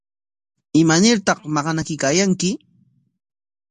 ¿Imanartaq maqanakuykaayanki?